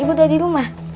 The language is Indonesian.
ibu udah di rumah